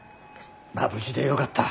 まあ無事でよかった。